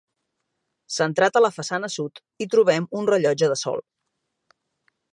Centrat a la façana sud hi trobem un rellotge de sol.